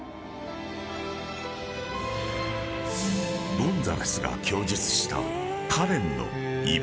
［ゴンザレスが供述したカレンの居場所］